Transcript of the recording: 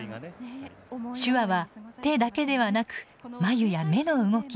手話は、手だけではなく眉や目の動き